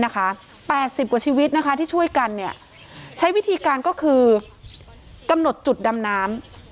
๘๐กว่าชีวิตที่ช่วยกันใช้วิธีการก็คือกำหนดจุดดำน้ำ